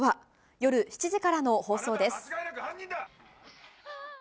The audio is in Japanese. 夜７時からの放送です。